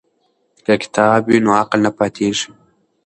که کتاب وي نو عقل نه پاتیږي.